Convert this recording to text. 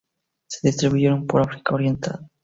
Se distribuyen por África Oriental.